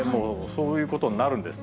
そういうことになるんです。